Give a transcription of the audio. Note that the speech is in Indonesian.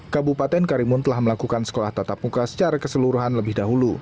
kabupaten karimun telah melakukan sekolah tatap muka secara keseluruhan lebih dahulu